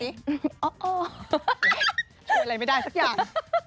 คุยอะไรไม่ได้สักอย่าง